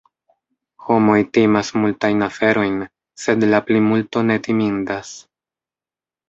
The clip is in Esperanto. Homoj timas multajn aferojn, sed la plimulto ne timindas.